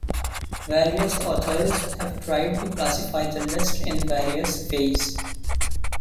Various authors have tried to classify the list in various ways.